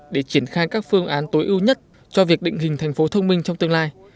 để triển khai các phương án tối ưu nhất cho việc định hình thành phố thông minh trong tương lai